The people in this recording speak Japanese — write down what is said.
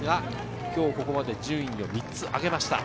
今日はここまで順位を３つ上げました。